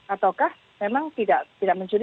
ataukah memang tidak mencukupi